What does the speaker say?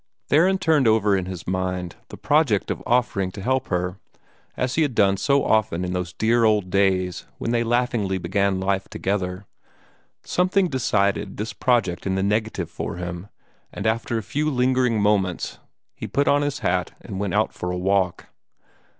Theron turned over in his mind the project of offering to help her, as he had done so often in those dear old days when they laughingly began life together. Something decided this project in the negative for him, and after lingering moments he put on his hat and went out for a walk.